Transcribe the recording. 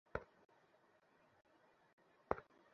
তিনি পূর্ব পূর্ব জন্মে যুগ যুগ ধরিয়া কঠোর কর্ম করিয়াছিলেন।